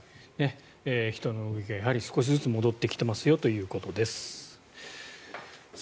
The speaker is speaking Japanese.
人の動きが少しずつ戻ってきてますよということです